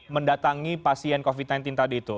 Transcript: mendatangi pasien covid sembilan belas tadi itu